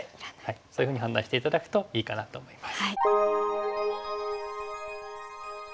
そういうふうに判断して頂くといいかなと思います。